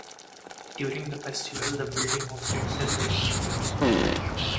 During the festival, the building hosted several exhibits.